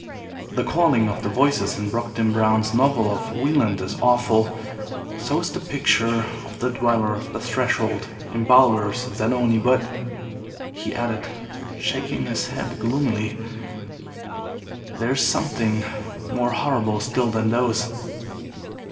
The calling of the voices in Brockden Brown's novel of Wieland is awful; so is the picture of the Dweller of the Threshold, in Bulwer's Zanoni; but," he added, shaking his head gloomily, "there is something more horrible still than those."